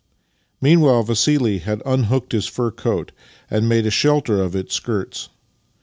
Meanwhile Vassili had unhooked his fur coat and made a shelter of its skirts.